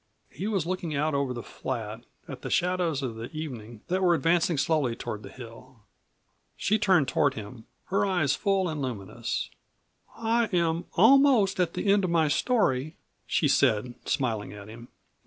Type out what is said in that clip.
He was looking out over the flat, at the shadows of the evening that were advancing slowly toward the hill. She turned toward him, her eyes full and luminous. "I am almost at the end of my story," she said smiling at him.